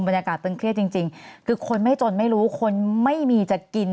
บรรยากาศตึงเครียดจริงคือคนไม่จนไม่รู้คนไม่มีจะกิน